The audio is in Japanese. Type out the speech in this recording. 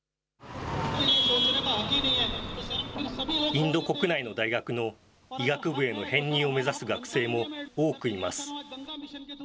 インド国内の大学の医学部への編入を目指す学生も多くいます。